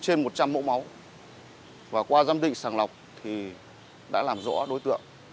trong một thời gian rất ngắn đã thu trên một trăm linh mẫu máu và qua giám định sàng lọc thì đã làm rõ đối tượng